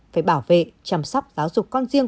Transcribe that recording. phải bảo vệ chăm sóc giáo dục con riêng